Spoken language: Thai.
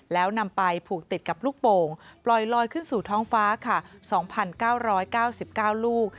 แล้วนำไปผูกติดกับลูกโป่งปล่อยลอยขึ้นสู่ท้องฟ้าค่ะ๒๙๙๙ลูก